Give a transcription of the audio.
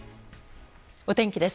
お天気です。